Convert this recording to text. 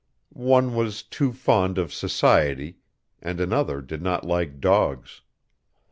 One was too fond of society, and another did not like dogs.